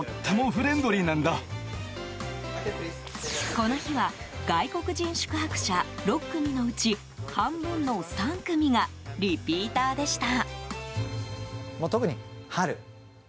この日は外国人宿泊者６組のうち半分の３組がリピーターでした。